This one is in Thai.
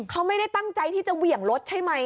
เขาไม่ได้ตั้งใจที่จะเหวี่ยงรถใช่ไหม